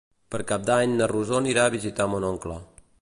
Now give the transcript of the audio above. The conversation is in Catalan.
Per Cap d'Any na Rosó anirà a visitar mon oncle.